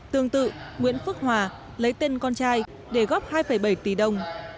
tương tự nguyễn phước hòa lấy tên con trai để góp hai bảy tỷ đồng